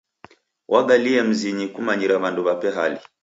Wagalie mzinyi kumanyira w'andu w'ape hali.